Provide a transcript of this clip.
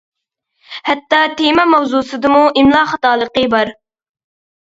ھەتتا تېما ماۋزۇسىدىمۇ ئىملا خاتالىقى بار.